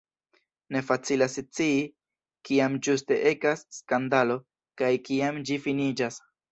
Ne facilas scii, kiam ĝuste ekas skandalo, kaj kiam ĝi finiĝas.